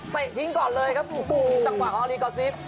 เตะทิ้งก่อนเลยครับจังหวะของอริกาซีฟ